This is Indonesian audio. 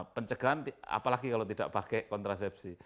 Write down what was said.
pencegahan apalagi kalau tidak pakai kontrasepsi